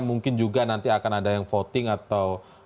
mungkin juga nanti akan ada yang voting atau